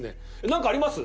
なんかあります？